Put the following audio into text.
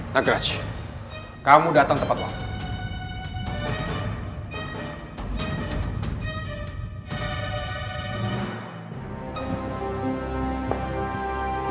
nagraj kamu datang tempat lama